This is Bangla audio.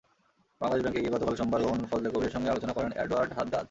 বাংলাদেশ ব্যাংকে গিয়ে গতকাল সোমবার গভর্নর ফজলে কবিরের সঙ্গে আলোচনা করেন এডওয়ার্ড হাদ্দাদ।